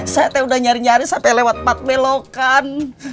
saya tuh udah nyari nyari sampai lewat empat belok kan